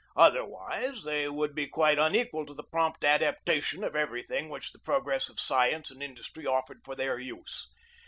Otherwise they would be quite unequal to the prompt adaptation of everything which the prog ress of science and industry offered for their use.